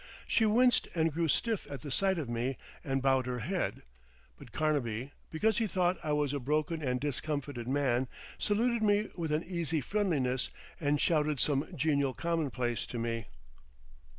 She winced and grew stiff at the sight of me and bowed her head. But Carnaby, because he thought I was a broken and discomfited man, saluted me with an easy friendliness, and shouted some genial commonplace to me.